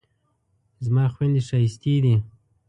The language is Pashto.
زما خویندې ښایستې دي